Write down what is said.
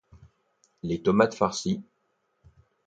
les tomates farcis